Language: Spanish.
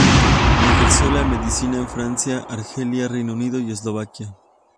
Ejerció la medicina en Francia, Algeria, Reino Unido y Eslovaquia.